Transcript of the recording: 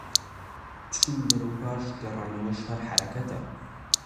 چونکە بەرەو پاش گەڕانەوەش هەر حەرەکەتە